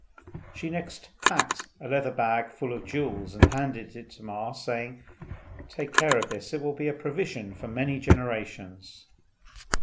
She next packed a leather bag full of jewels and handed it to Ma, saying, "Take care of this; it will be a provision for many generations."